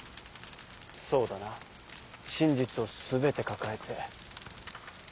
そうだな真実を全て抱えて。